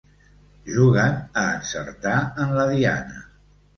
Juguen a encertar en la diana.